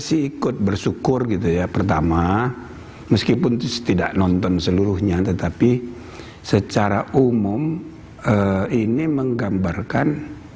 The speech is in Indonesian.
saya ikut bersyukur gitu ya pertama meskipun tidak nonton seluruhnya tetapi secara umum ini menggambarkan